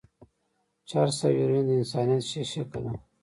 چرس او هيروين د انسانيت شېشکه ده.